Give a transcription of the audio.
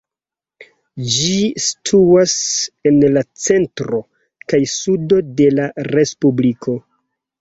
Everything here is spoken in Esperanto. Ĝi situas en la centro kaj sudo de la respubliko.